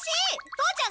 父ちゃん！